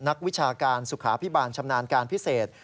วิชาการสุขาพิบาลชำนาญการพิเศษ